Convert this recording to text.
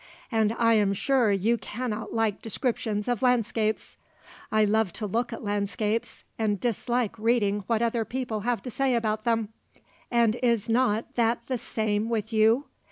And I am sure you cannot like descriptions of landscapes. I love to look at landscapes and dislike reading what other people have to say about them; and is not that the same with you?